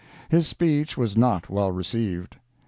His speech was not well received.